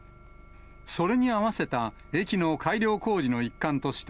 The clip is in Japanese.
それに合わせた駅の改良工事の一環として、